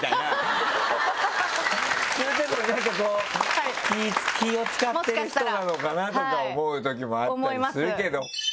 そういうとこなんかこう気を使ってる人なのかなとか思うときもあったりするけど。